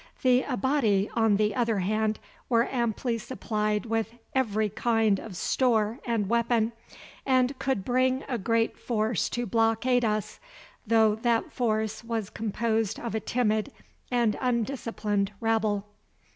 The Abati, on the other hand, were amply supplied with every kind of store and weapon, and could bring a great force to blockade us, though that force was composed of a timid and undisciplined rabble.